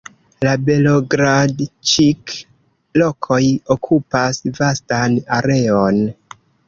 La Belogradĉik-rokoj okupas vastan areon.